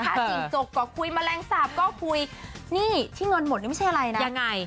จิ้งจกก็คุยแมลงสาปก็คุยนี่ที่เงินหมดนี่ไม่ใช่อะไรนะยังไง